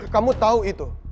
kamu tahu itu